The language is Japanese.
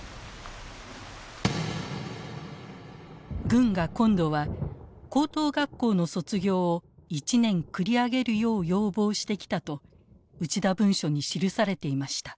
軍が今度は高等学校の卒業を１年繰り上げるよう要望してきたと「内田文書」に記されていました。